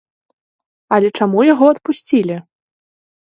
Але чаму яго адпусцілі?